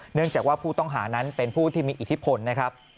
เนื่องจากว่าผู้ต้องหานั้นเป็นผู้ที่มีอิทธิพลนะครับ